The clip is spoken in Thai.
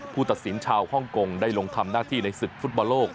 ตัดสินชาวฮ่องกงได้ลงทำหน้าที่ในศึกฟุตบอลโลก